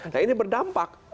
nah ini berdampak